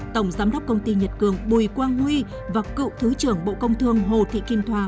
tổng giám đốc công ty nhật cường bùi quang huy và cựu thứ trưởng bộ công thương hồ thị kim thoa